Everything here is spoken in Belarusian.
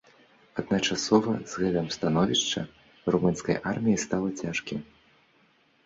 Адначасова з гэтым становішча румынскай арміі стала цяжкім.